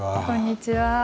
こんにちは。